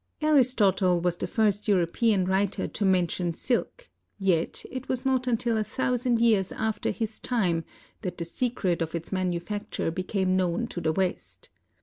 Aristotle was the first European writer to mention silk, yet it was not until a thousand years after his time that the secret of its manufacture became known to the West.